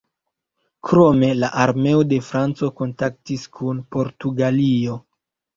Krome la armeo de Franco kontaktis kun Portugalio.